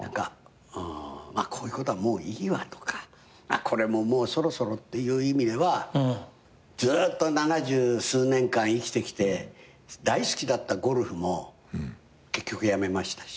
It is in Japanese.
こういうことはもういいわとかこれももうそろそろっていう意味ではずっと七十数年間生きてきて大好きだったゴルフも結局やめましたし。